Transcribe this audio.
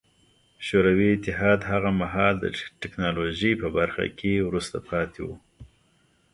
شوروي اتحاد هغه مهال د ټکنالوژۍ په برخه کې وروسته پاتې و